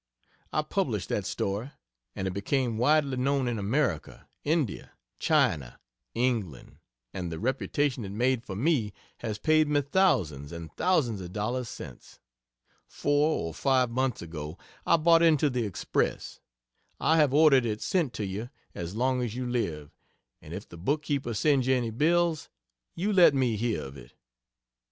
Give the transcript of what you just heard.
I published that story, and it became widely known in America, India, China, England and the reputation it made for me has paid me thousands and thousands of dollars since. Four or five months ago I bought into the Express (I have ordered it sent to you as long as you live and if the book keeper sends you any bills, you let me hear of it.)